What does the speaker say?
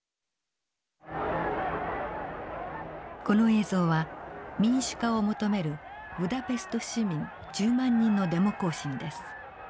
この映像は民主化を求めるブダペスト市民１０万人のデモ行進です。